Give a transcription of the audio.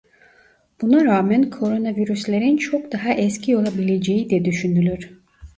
Buna rağmen koronavirüslerin çok daha eski olabileceği de düşünülür.